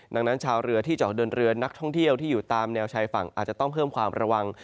ดังนั้นชาวเรือที่จะออกเดินเรือนักท่องเที่ยวที่อยู่ตามแนวชายฝั่งอาจจะต้องเพิ่มความระวัง